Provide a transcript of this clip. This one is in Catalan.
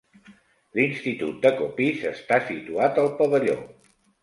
L'institut de Coppice està situat al pavelló.